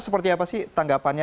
seperti apa sih tanggapannya